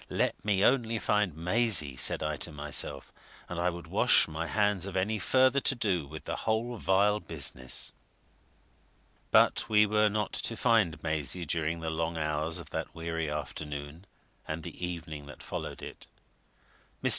Let me only find Maisie, said I to myself, and I would wash my hands of any further to do with the whole vile business. But we were not to find Maisie during the long hours of that weary afternoon and the evening that followed it. Mr.